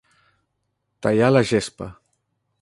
Tallar la gespa.